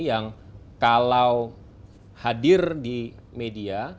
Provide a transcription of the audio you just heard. yang kalau hadir di media